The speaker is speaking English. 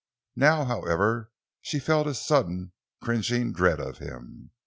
Now, however, she felt a sudden, cringing dread of him.